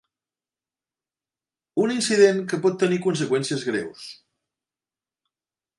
Un incident que pot tenir conseqüències greus.